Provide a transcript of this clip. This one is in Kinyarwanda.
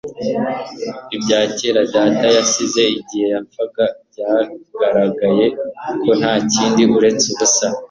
Ibya kera data yasize igihe yapfaga byagaragaye ko nta kindi uretse ubusa